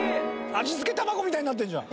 味付け卵みたいになってるじゃん。